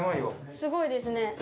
すごいですね。